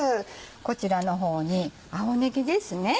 こちらの方に青ねぎですね。